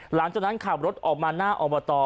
หลังจากนั้นขับรถออกมาหน้าอบต